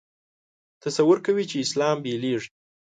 تصور کوي چې اسلام بېلېږي.